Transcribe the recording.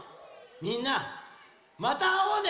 みんなまたあおうね。